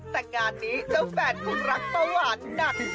สักขนาดนี้เจ้าแฟนคุณรักป้าหวานหนัก